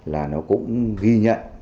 là nó cũng ghi nhận